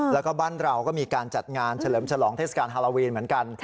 แล้วก็บ้านเราก็มีการจัดงานเฉลิมฉลองเทศกาลฮาโลวีนเหมือนกัน